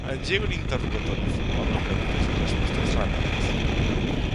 Engega un interrogatori formal de preguntes i respostes ràpides.